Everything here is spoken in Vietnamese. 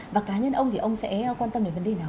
và cá nhân ông thì ông sẽ quan tâm đến vấn đề nào